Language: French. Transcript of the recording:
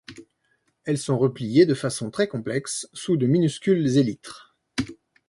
Elles sont repliées de façon très complexe sous de minuscules élytres.